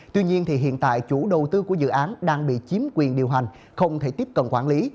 tuy nhiên hiện tại chủ đầu tư của dự án đang bị chiếm quyền điều hành không thể tiếp cận quản lý